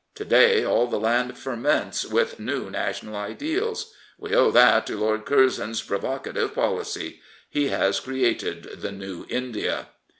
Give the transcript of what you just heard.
To day all the land ferments with new national ideals. We owe that to Lord Curzon's provocative policy. He has created the New India."